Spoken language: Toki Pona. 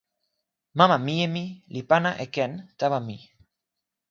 mama mije mi li pana e ken tawa mi.